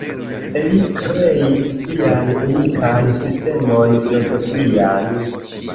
Li kreis sian unikan sistemon filozofian.